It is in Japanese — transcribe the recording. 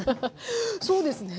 そうですね。